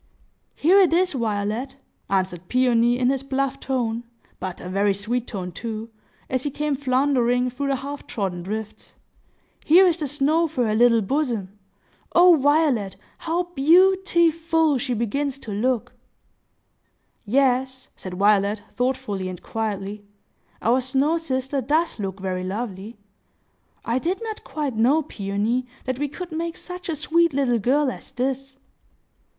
"Here it is, Violet!" answered Peony, in his bluff tone,—but a very sweet tone, too,—as he came floundering through the half trodden drifts. "Here is the snow for her little bosom. O Violet, how beau ti ful she begins to look!" "Yes," said Violet, thoughtfully and quietly; "our snow sister does look very lovely. I did not quite know, Peony, that we could make such a sweet little girl as this."